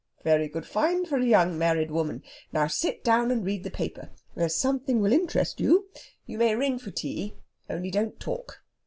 Very good find for a young married woman. Now sit down and read the paper there's something will interest you. You may ring for tea, only don't talk."